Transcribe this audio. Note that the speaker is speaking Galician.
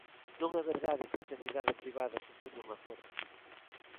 Non é verdade que a sanidade privada supoña un aforro.